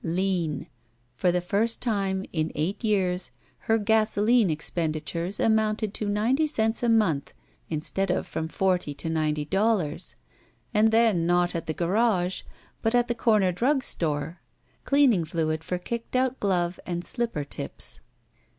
Lean. For the first time in eight years her gasoline expenditures amotmted to ninety cents a month instead of from forty to ninety dollars. And then not at the garage, but at the comer drug store. Cleaning fluid for kicked out glove and slipper tips.